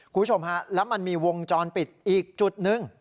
คุณผู้ชมฮะแล้วมันมีวงจรปิดอีกจุดหนึ่ง